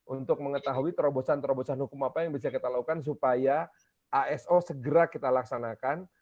untuk mengetahui terobosan terobosan hukum apa yang bisa kita lakukan supaya aso segera kita laksanakan